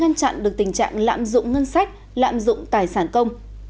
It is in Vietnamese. vì vậy chúng ta cần được tình trạng lạm dụng ngân sách lạm dụng tài sản công